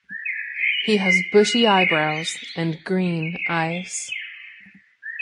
He has bushy eyebrows and green eyes.